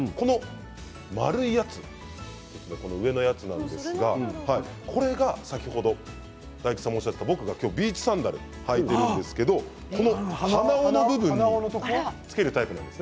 円いもの、上のものなんですがこれが先ほど華丸さんがおっしゃっていたビーチサンダルなんですけど鼻緒の部分につけるタイプなんです。